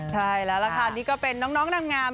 ใช่แล้วล่ะค่ะนี่ก็เป็นน้องนางงาม